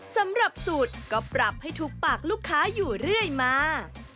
สำหรับสูตรก็ปรับให้ถูกปากลูกค้าอยู่เรื่อยมา